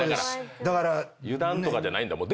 だから油断とかじゃないんだ。